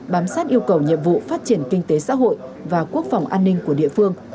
bám sát yêu cầu nhiệm vụ phát triển kinh tế xã hội và quốc phòng an ninh của địa phương